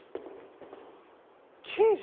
刑事！